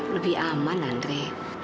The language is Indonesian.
lebih aman andre